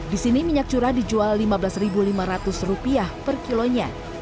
di sini minyak curah dijual rp lima belas lima ratus per kilonya